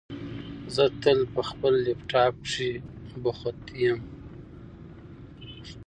زه تل په خپل لپټاپ کېښې بوښت یم